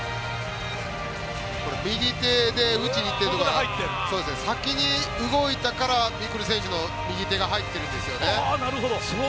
右手で打ちに行っていましたが先に動いたから未来選手の右手が入っているんですね。